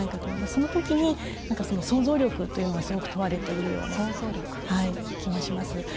そのときに想像力というのがすごく問われているような気もします。